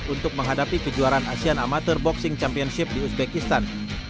untuk menghadapi kejuaraan asian amateur boxing championship di uzbekistan